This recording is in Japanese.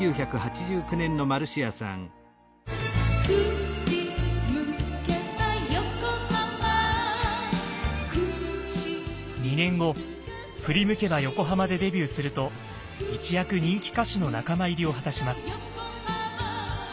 ふりむけばヨコハマ２年後「ふりむけばヨコハマ」でデビューすると一躍人気歌手の仲間入りを果たします。